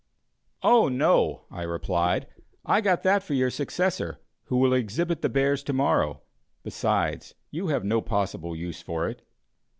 "Oh, no," I replied, "I got that for your successor, who will exhibit the bears to morrow; besides, you have no possible use for it."